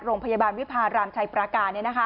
โรงพยาบาลวิพารามชัยปราการ